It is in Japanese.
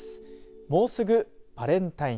もうすぐバレンタイン。